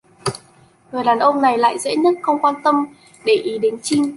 Người đàn ông này lại dễ nhất không quan tâm để ý đến chinh